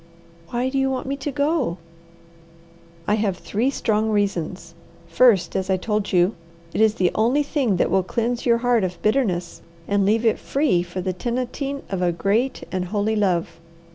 "Why do you want me to go?" "I have three strong reasons: First, as I told you, it is the only thing that will cleanse your heart of bitterness and leave it free for the tenanting of a great and holy love.